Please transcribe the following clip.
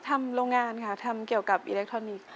โรงงานค่ะทำเกี่ยวกับอิเล็กทรอนิกส์